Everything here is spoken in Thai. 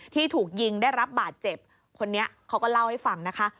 ที่ถูกยิงได้รับบาดเจ็บคนนี้เขาก็เล่าให้ฟังนะคะ